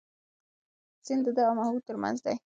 سیند د ده او محبوب تر منځ دی.